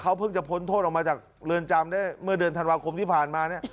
เขาเพิ่งจะพ้นโทษออกมาจากเรือนจำได้เมื่อเดือนธันวาคมที่ผ่านมาเนี่ย